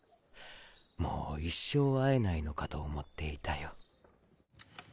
もう一生会えないのかと思っていたよ。